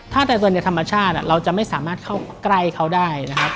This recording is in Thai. ถ้าแต่ส่วนใหญ่ธรรมชาติเราจะไม่สามารถเข้าใกล้เขาได้นะครับ